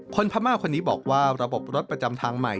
พม่าคนนี้บอกว่าระบบรถประจำทางใหม่